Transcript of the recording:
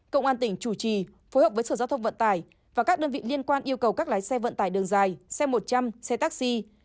công an tỉnh chủ trì phối hợp với sở giao thông vận tải và các đơn vị liên quan yêu cầu các lái xe vận tải đường dài xe một trăm linh xe taxi